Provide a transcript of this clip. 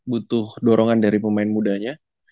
butuh dorongan dari pemain mudanya